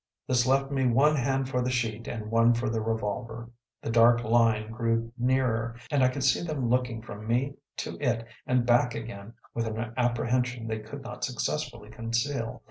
This left me one hand for the sheet and one for the revolver. The dark line drew nearer, and I could see them looking from me to it and back again with an apprehension they could not successfully conceal.